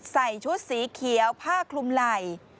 ใส่ชุดสีเขียวผ้าคลุมไหล่